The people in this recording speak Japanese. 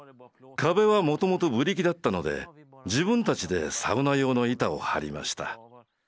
壁はもともとブリキだったので自分たちでサウナ用の板を貼りました。